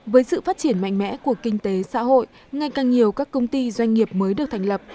với sự phát triển mạnh mẽ của kinh tế xã hội ngay càng nhiều các công ty doanh nghiệp mới được thành lập